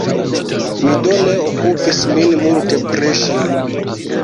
Mi do ne okupis min multe pri ŝi.